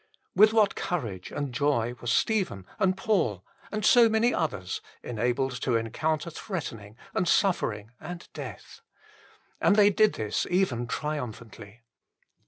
l With what courage and joy were Stephen and Paul and so many others enabled to encounter threatening and suffering and death : they did this even triumphantly.